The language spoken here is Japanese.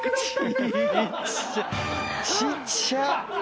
ちっちゃ！